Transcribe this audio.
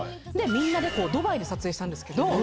みんなでドバイで撮影したんです